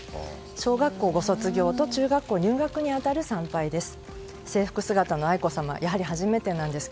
小学校ご卒業と中学校ご入学に当たる参拝です。